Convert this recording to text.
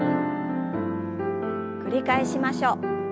繰り返しましょう。